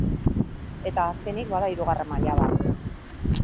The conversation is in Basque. Eta azkenik, bada hirugarren maila bat.